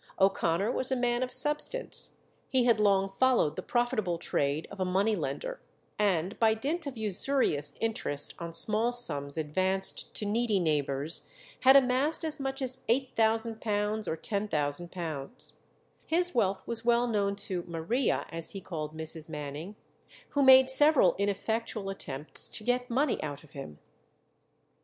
O'Connor was a man of substance. He had long followed the profitable trade of a money lender, and by dint of usurious interest on small sums advanced to needy neighbours, had amassed as much as £8000 or £10,000. His wealth was well known to "Maria," as he called Mrs. Manning, who made several ineffectual attempts to get money out of him.